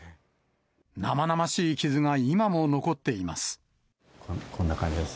生々しい傷が今も残っています。